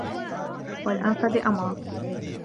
وَالْأَنْفَذِ أَمْرًا